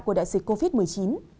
của đại dịch covid một mươi chín